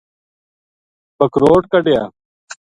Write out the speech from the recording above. بکروٹ کڈھیا